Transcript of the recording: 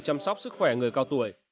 chăm sóc sức khỏe người cao tuổi